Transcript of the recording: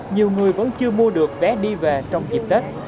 nhiều người vẫn chưa mua được vé điện thoại